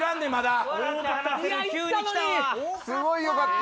すごいよかった。